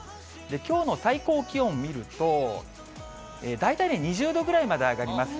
きょうの最高気温を見ると、大体２０度ぐらいまで上がります。